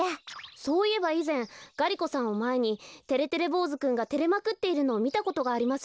そういえばいぜんがり子さんをまえにてれてれぼうずくんがてれまくっているのをみたことがあります。